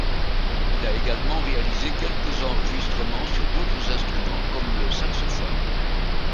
Il a également réalisé quelques enregistrements sur d'autres instruments, comme le saxophone.